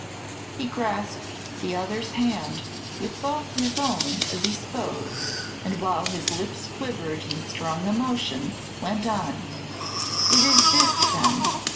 He grasped the other's hand with both his own as he spoke, and, while his lips quivered in strong emotion, went on: "It is this, then.